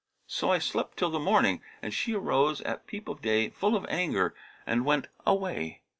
So I slept till the morning, and she arose at peep of day full of anger and went away.